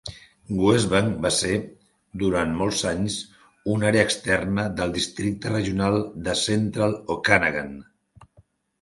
Westbank va ser, durant molts anys, una àrea externa del districte regional de Central Okanagan.